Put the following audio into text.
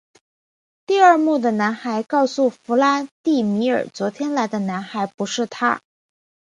第二幕的男孩告诉弗拉第米尔昨天来的男孩不是他。